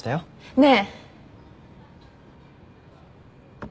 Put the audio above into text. ねえ！